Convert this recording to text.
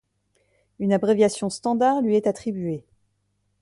Une abréviation standard lui est attribuée.